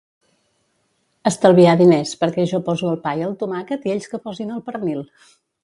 Estalviar diners, perquè jo poso el pà i el tomàquet i ells que posin el pernil.